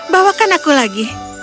bawakan aku lagi